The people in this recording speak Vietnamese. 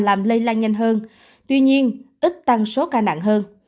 làm lây lan nhanh hơn tuy nhiên ít tăng số ca nặng hơn